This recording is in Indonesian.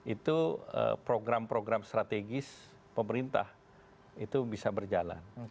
itu program program strategis pemerintah itu bisa berjalan